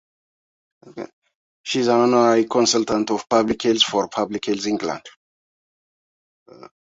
She is an Honorary Consultant of Public Health for Public Health England.